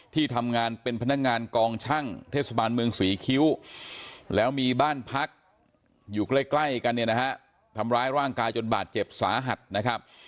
ที่ทำงานเป็นพนักงานกองช่างเทศบาลเมืองศรีคิ้วแล้วมีบ้านพักอยู่ใกล้กันเนี่ยนะฮะทำร้ายร่างกายจนบาดเจ็บสาหัสนะครับ